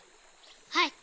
はい。